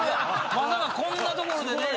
まさかこんな所でね。